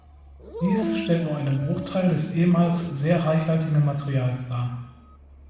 Dies stellt nur einen Bruchteil des ehemals sehr reichhaltigen Materials dar.